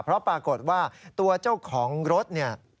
เพราะปรากฏว่าตัวเจ้าของรถเนี่ย